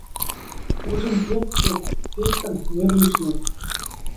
Ужын кердде сектым нер лишнок?